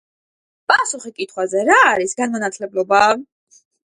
პასუხი კითხვაზე: რა არის განმანათლებლობა?